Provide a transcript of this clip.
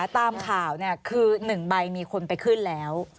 ตามข่าวคือ๑ใบมีคนไปขึ้นแล้ว